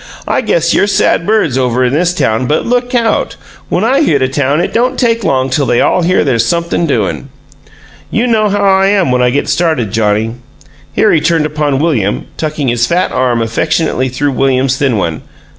"I guess you're sad birds over in this town, but look out! When I hit a town it don't take long till they all hear there's something doin'! You know how I am when I get started, Johnnie!" Here he turned upon William, tucking his fat arm affectionately through William's thin one.